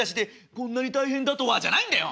「こんなに大変だとは」じゃないんだよ！